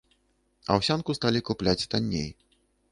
Аўсянку сталі купляць танней.